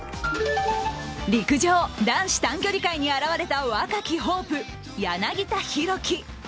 陸上・男子短距離界にあらわれた若きホープ・柳田大輝。